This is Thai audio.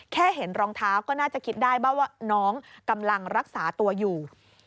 เห็นรองเท้าก็น่าจะคิดได้บ้างว่าน้องกำลังรักษาตัวอยู่